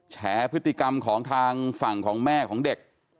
แฉพฤติกรรมของทางฝั่งของแม่ของเด็ก